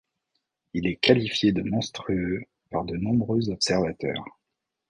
Il est qualifié de monstrueux par de nombreux observateurs.